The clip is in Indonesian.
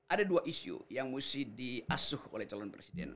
ada dua isu yang mesti diasuh oleh calon presiden